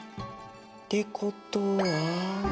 ってことは。